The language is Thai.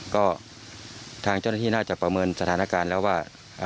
ก็ทางเจ้าหน้าที่น่าจะประเมินสถานการณ์แล้วว่า